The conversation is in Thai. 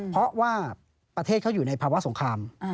เพราะว่าประเทศเขาอยู่ในภาวะสงคราม